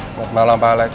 selamat malam pak alex